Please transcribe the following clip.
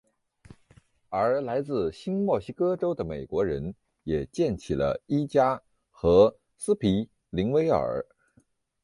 而来自新墨西哥州的美国人也建起了伊加和斯皮灵威尔。